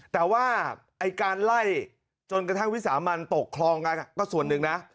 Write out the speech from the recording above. แต่ว่าไอ้การไล่จนกระทั่งวิสามันตกคลองกันก็ส่วนหนึ่งนะ